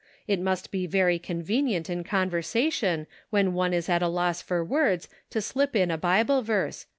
It must be very convenient in conversation, when one is at a loss for words, to slip in a Bible verse.